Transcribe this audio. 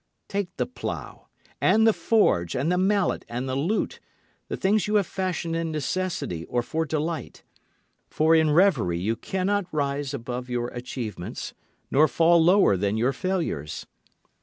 Take the plough and the forge and the mallet and the lute, The things you have fashioned in necessity or for delight. For in revery you cannot rise above your achievements nor fall lower than your failures.